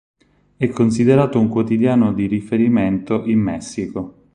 È considerato un quotidiano di riferimento in Messico.